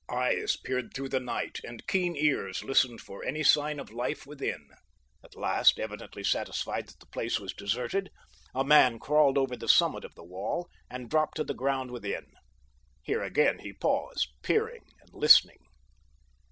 Eyes peered through the night and keen ears listened for any sign of life within. At last, evidently satisfied that the place was deserted, a man crawled over the summit of the wall and dropped to the ground within. Here again he paused, peering and listening.